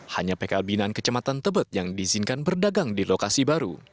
hanya pkl binaan kecematan tebet yang diizinkan berdagang di lokasi baru